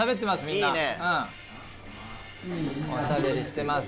みんなおしゃべりしてます